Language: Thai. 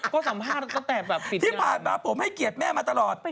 ก็สัมภาษณ์ตั้งแต่แบบที่ผ่านมาผมให้เกียรติแม่มาตลอด